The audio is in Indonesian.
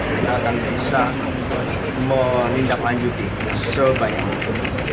kita akan bisa menindaklanjuti sebanyak itu